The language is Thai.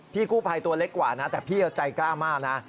พี่กู้ภัยตัวเล็กกว่านะแต่พี่ใจกล้ามากนะ